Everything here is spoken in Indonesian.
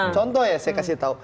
contoh ya saya kasih tahu